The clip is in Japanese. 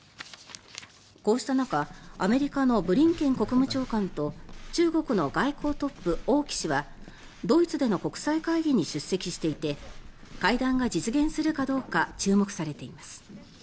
こうした中アメリカのブリンケン国務長官と中国の外交トップ、王毅氏はドイツでの国際会議に出席していて会談が実現するかどうか注目されています。